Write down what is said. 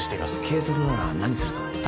警察なら何すると思う？